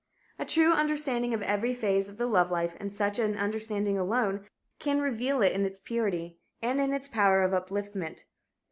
A true understanding of every phase of the love life, and such an understanding alone, can reveal it in its purity in its power of upliftment.